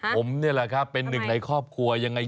ผมนี่แหละครับเป็นหนึ่งในครอบครัวยังไง